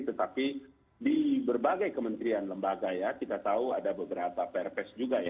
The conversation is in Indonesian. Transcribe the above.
tetapi di berbagai kementerian lembaga ya kita tahu ada beberapa prps juga ya